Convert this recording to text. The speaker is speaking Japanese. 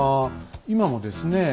今もですね